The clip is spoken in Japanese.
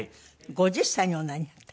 ５０歳におなりになった。